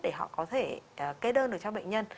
để họ có thể kê đơn được cho bệnh nhân